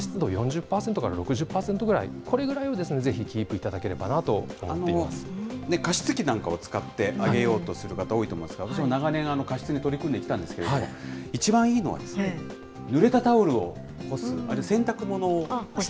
例えば、湿度４０％から６０％ぐらい、これぐらいをぜひ、キープ加湿器なんかを使って、上げようとする方、多いと思いますが、うちも長年、加湿に取り組んできたんですけれども、一番いいのは、ぬれたタオルを干す、洗濯物を。